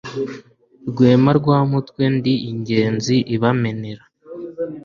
Rwema rw' umutwe ndi Ingenzi ibamenera.